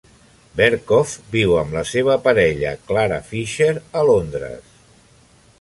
Berkoff viu amb la seva parella, Clara Fisher, a Londres.